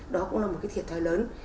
đó cũng là một cái thiệt thái lớn